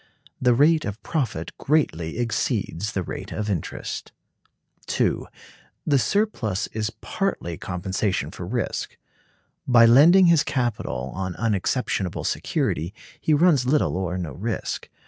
The rate of profit greatly exceeds the rate of interest. (2.) The surplus is partly compensation for risk. By lending his capital on unexceptionable security he runs little or no risk.